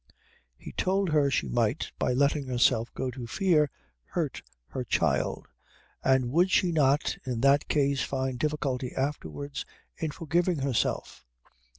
He told her she might, by letting herself go to fear, hurt her child, and would she not in that case find difficulty afterwards in forgiving herself?